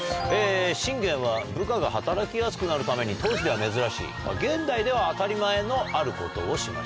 信玄は部下が働きやすくなるために当時では珍しい現代では当たり前のあることをしました。